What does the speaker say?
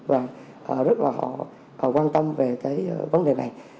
và rất là họ quan tâm về cái vấn đề này